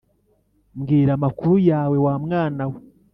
mbwira amakuru yawe wa mwana we